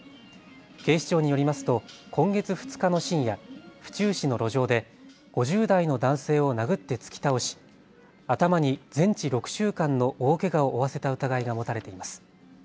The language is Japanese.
警視庁によりますと今月２日の深夜、府中市の路上で５０代の男性を殴って突き倒し頭に全治６週間の大けがを負わせた疑いが持たれています。